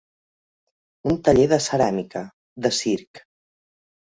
Un taller de ceràmica, de circ.